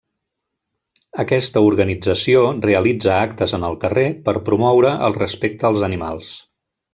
Aquesta organització realitza actes en el carrer per a promoure el respecte als animals.